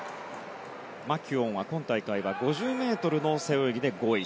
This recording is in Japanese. マキュオンは今大会は５０ｍの背泳ぎで５位。